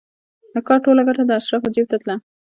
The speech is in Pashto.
د کار ټوله ګټه د اشرافو جېب ته تلله